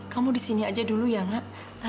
kamu di sini aja dulu ya ngak